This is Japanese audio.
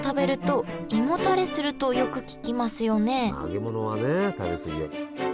あ揚げ物はね食べ過ぎは。